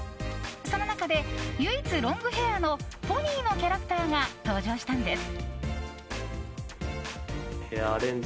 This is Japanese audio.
その中で唯一ロングヘアのポニーのキャラクタがー登場したんです。